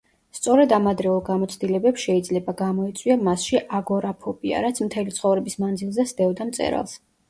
სწორედ ამ ადრეულ გამოცდილებებს შეიძლება გამოეწვია მასში აგორაფობია, რაც მთელი ცხოვრების მანძილზე სდევდა მწერალს.